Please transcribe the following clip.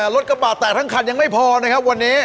รถกระบะแตกทั้งคันยังไม่พอนะครับวันนี้